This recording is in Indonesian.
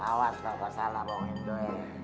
awas gak salah bohongin tuh